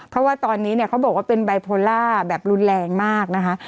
เพราะว่าตอนนี้เนี่ยเขาบอกว่าเป็นไบโพล่าแบบรุนแรงมากนะคะ